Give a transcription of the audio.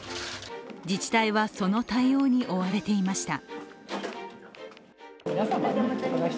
自治体はその対応に追われていました。